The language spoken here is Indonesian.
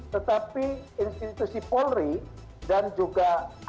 tetapi institusi polri dan juga anggota polri